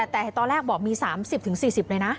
แต่ตอนแรกบอกมี๓๐๔๐เลยนะ